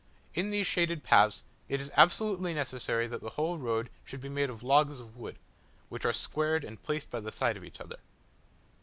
In these shaded paths it is absolutely necessary that the whole road should be made of logs of wood, which are squared and placed by the side of each other.